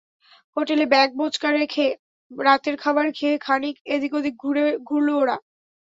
হোটেলে ব্যাগ-বোঁচকা রেখে রাতের খাবার খেয়ে খানিক এদিক- ওদিক ঘুরল ওরা।